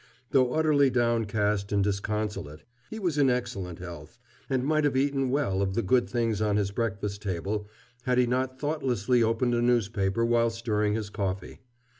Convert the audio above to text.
Though utterly downcast and disconsolate, he was in excellent health, and might have eaten well of the good things on his breakfast table had he not thoughtlessly opened a newspaper while stirring his coffee.